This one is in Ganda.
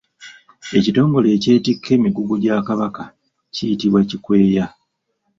Ekitongole ekyetikka emigugu gya Kabaka kiyitibwa kikweya.